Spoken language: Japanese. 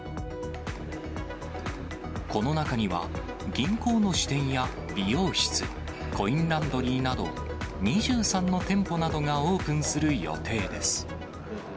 この中には、銀行の支店や美容室、コインランドリーなど、２３の店舗などがオープンする予定です。